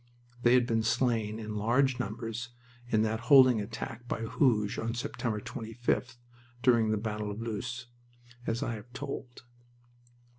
They had been slain in large numbers in that "holding attack" by Hooge on September 25th, during the battle of Loos, as I have told.